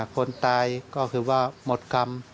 คนตายก็คือว่าหมดกรรม